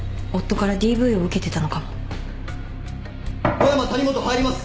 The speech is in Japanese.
・・尾山谷本入ります！